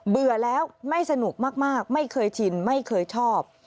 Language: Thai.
เบื่อแล้วไม่สนุกมากไม่เคยชินไม่เคยชอบ